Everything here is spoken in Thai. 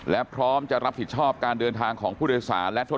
และพร้อมจะรับผิดชอบการเดินทางของผู้โดยสารและทั่ว